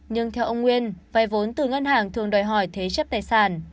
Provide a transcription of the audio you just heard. nhưng theo ông nguyên vai vốn từ ngân hàng thường đòi hỏi thế chấp tài sản